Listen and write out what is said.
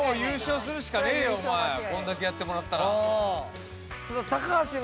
こんだけやってもらったら。